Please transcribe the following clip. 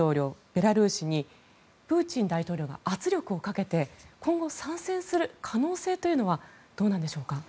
ベラルーシにプーチン大統領が圧力をかけて今後、参戦する可能性というのはどうなんでしょうか。